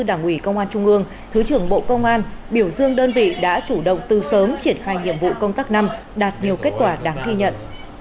đảng ủy công an trung ương thứ trưởng bộ công an biểu dương đơn vị đã chủ động tư sớm triển khai nhiệm vụ công tác năm đạt nhiều kết quả đáng ghi nhận